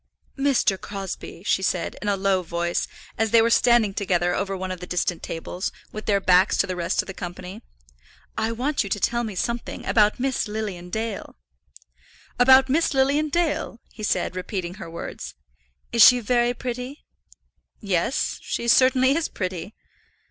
"Mr. Crosbie," she said, in a low voice, as they were standing together over one of the distant tables, with their backs to the rest of the company, "I want you to tell me something about Miss Lilian Dale." "About Miss Lilian Dale!" he said, repeating her words. "Is she very pretty?" "Yes; she certainly is pretty."